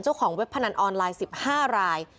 เจ้าของเว็บพนันออนไลน์๑๕ราย